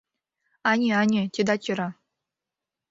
Ане-ане, тидат йӧра.